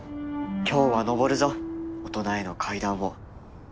今日は上るぞ大人への階段を